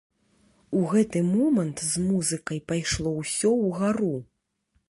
У гэты момант з музыкай пайшло ўсё ўгару.